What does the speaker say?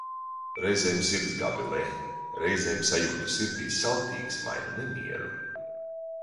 Reizēm sirds gavilē, reizēm sajūtu sirdī saldtīksmainu nemieru.